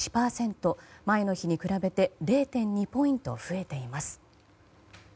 前の日に比べて０．２ポイント増えています。